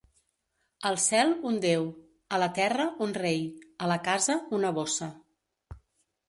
Al cel, un Déu; a la terra, un rei; a la casa, una bossa.